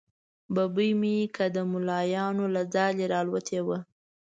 ببۍ مې که د مولیانو له ځالې را الوتې وه.